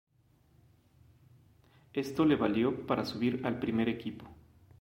Esto le valió para subir al primer equipo.